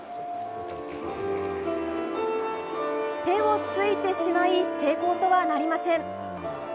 手をついてしまい成功とはなりません。